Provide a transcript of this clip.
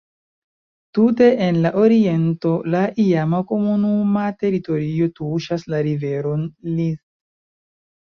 Tute en la oriento la iama komunuma teritorio tuŝas la riveron Linth.